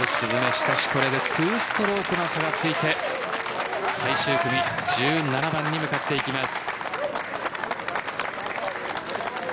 しかし、これで２ストロークの差がついて最終組１７番に向かっていきます。